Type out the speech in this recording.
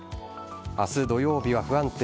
明日土曜日は不安定。